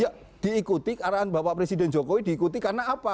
ya diikuti arahan bapak presiden jokowi diikuti karena apa